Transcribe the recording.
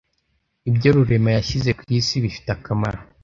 abyo rurema yashyize ku isi bifite akamaro,